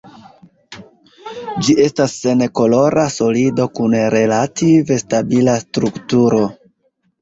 Ĝi estas senkolora solido kun relative stabila strukturo.